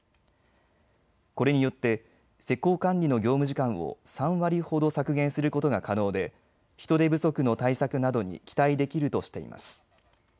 これによって施工管理の業務時間を３割ほど削減することが可能で人手不足の対策などに期待できるとしています。